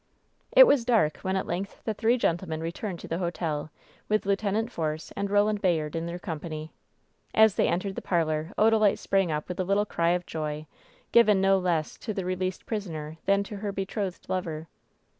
It was dark when at length the three gentlemen re turned to the hotel, with Lieut. Force and Roland Bay ard in their company. As they entered the parlor Odalite sprang up with a little cry of joy, given no less to the released prisoner than to her betrothed lover.